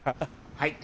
はい。